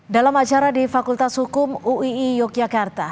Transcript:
dalam acara di fakultas hukum uii yogyakarta